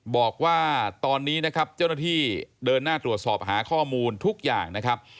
บอกว่าตอนนี้นะครับเจ้าหน้าที่เดินหน้าตรวจสอบหาข้อมูลทุกอย่างนะครับ